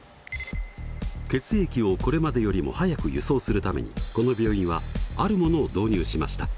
血液をこれまでよりも早く輸送するためにこの病院はあるものを導入しました。